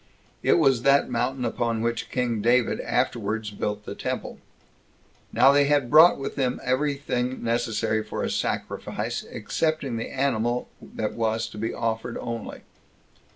It was that mountain upon which king David afterwards built the temple. 28 Now they had brought with them every thing necessary for a sacrifice, excepting the animal that was to be offered only.